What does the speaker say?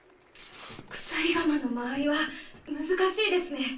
鎖鎌の間合いは難しいですね。